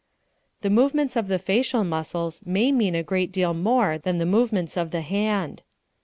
The movements of the facial muscles may mean a great deal more than the movements of the hand.